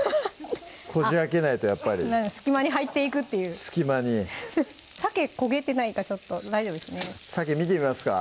こじあけないとやっぱり隙間に入っていくっていう隙間にさけ焦げてないかちょっと大丈夫ですかねさけ見てみますか？